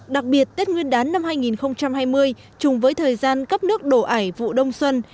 đặc biệt tết nguyên đán năm hai nghìn hai mươi chung với thời gian cấp nước đổ ải vụ đông xuân